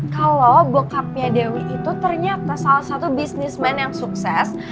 kalau bokapnya dewi itu ternyata salah satu bisnismen yang sukses